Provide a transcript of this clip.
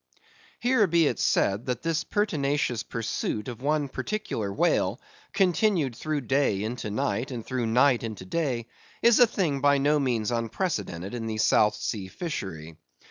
Here be it said, that this pertinacious pursuit of one particular whale, continued through day into night, and through night into day, is a thing by no means unprecedented in the South sea fishery.